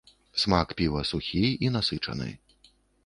Смак піва сухі і насычаны.